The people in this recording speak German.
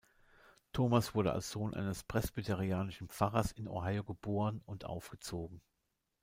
Thomas wurde als Sohn eines presbyterianischen Pfarrers in Ohio geboren und aufgezogen.